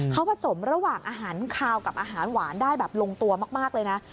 เขาผสมระหว่างอาหารคาวกับอาหารหวานได้แบบลงตัวมากเลยนะ